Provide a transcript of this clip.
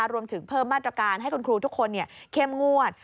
รวมถึงเพิ่มมาตรการให้คุณครูทุกคนเข้มงวด